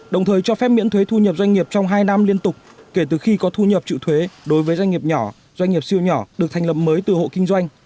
đồng thời cho phép miễn thuế thu nhập doanh nghiệp trong hai năm liên tục kể từ khi có thu nhập trựu thuế đối với doanh nghiệp nhỏ doanh nghiệp siêu nhỏ được thành lập mới từ hộ kinh doanh